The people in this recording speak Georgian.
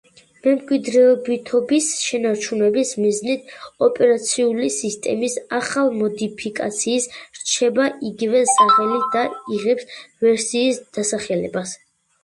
მემკვიდრეობითობის შენარჩუნების მიზნით ოპერაციული სისტემის ახალ მოდიფიკაციის რჩება იგივე სახელი და იღებს ვერსიის დასახელებას.